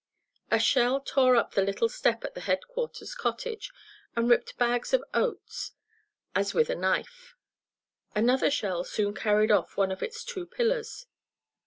A shell tore up the little step at the headquarters cottage and ripped bags of oats as with a knife. Another shell soon carried off one of its two pillars.